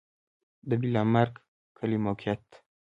د بالامرګ کلی موقعیت